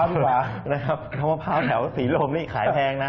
นะครับน้ำมะพร้าวแถวศรีลมนี่ขายแพงนะ